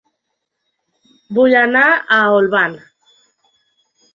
Vull anar a Olvan